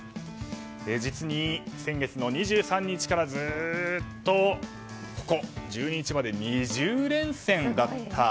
実に、先月の２３日からずっと１２日まで２０連戦だった